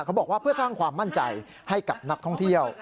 บอกว่าเพื่อสร้างความมั่นใจให้กับนักท่องเที่ยว